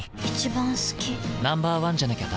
Ｎｏ．１じゃなきゃダメだ。